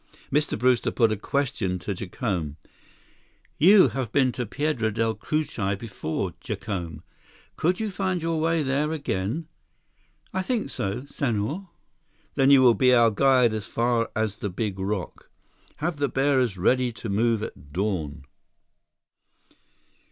Mr. Brewster put a question to Jacome. "You have been to Piedra Del Cucuy before, Jacome. Could you find your way there again?" "I think so, Senhor." "Then you will be our guide as far as the big rock. Have the bearers ready to move at dawn."